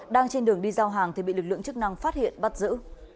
đang trên đường đi giao hàng thì bị lực lượng chức năng phát hiện bắt giữ